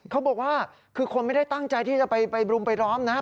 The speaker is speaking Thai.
เขาบอกว่าคือคนไม่ได้ตั้งใจที่จะไปรุมไปล้อมนะครับ